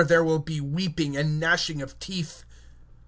There will be the weeping, and the gnashing of teeth!